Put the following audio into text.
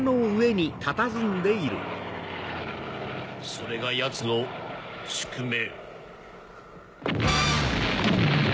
それが奴の宿命。